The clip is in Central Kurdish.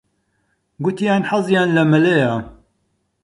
گوتیان حەزیان لە مەلەیە.